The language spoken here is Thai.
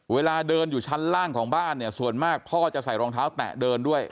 เวลาเดินอยู่ชั้นล่างของบ้านเนี่ยส่วนมากพ่อจะใส่รองเท้าแตะเดินด้วย